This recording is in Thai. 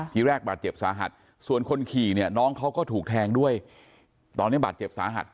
ทีแรกบาดเจ็บสาหัสส่วนคนขี่เนี่ยน้องเขาก็ถูกแทงด้วยตอนนี้บาดเจ็บสาหัส